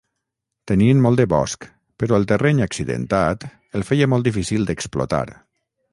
Tenien molt de bosc, però el terreny accidentat el feia molt difícil d'explotar.